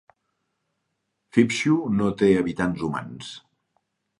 Phibsoo no té habitants humans.